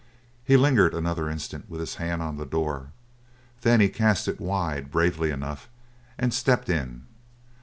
He lingered another instant with his hand on the door; then he cast it wide bravely enough and stepped in.